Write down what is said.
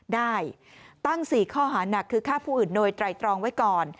ได้ตั้ง๔ข้อหานักคือฆ่าผู้อื่นโดยไตรตรองไว้ก่อน